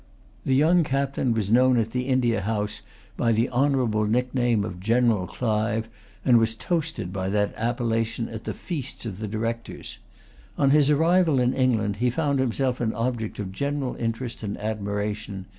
The young captain was known at the India House by the honourable nickname of General Clive, and was toasted by that appellation at the feasts of the Directors. On his arrival in England, he found himself an object of general interest and admiration.